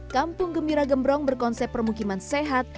kampung gembira gembrong berkonsep permukiman sehat